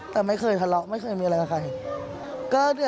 แต่ไม่เคยทะเลาะไม่เคยมีอะไรกับใคร